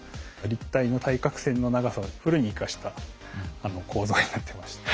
立体の対角線の長さをフルに生かした構造になってました。